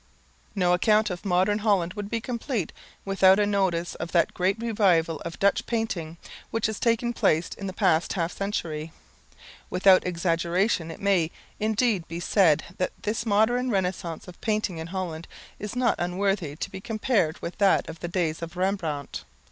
No account of modern Holland would be complete without a notice of the great revival of Dutch painting, which has taken place in the past half century. Without exaggeration it may indeed be said that this modern renascence of painting in Holland is not unworthy to be compared with that of the days of Rembrandt.